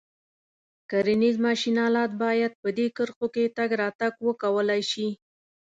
کرنیز ماشین آلات باید په دې کرښو کې تګ راتګ وکولای شي.